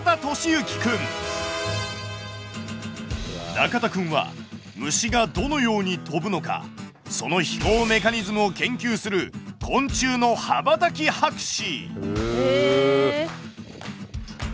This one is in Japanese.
中田くんは虫がどのように飛ぶのかその飛行メカニズムを研究する昆虫の羽ばたき博士。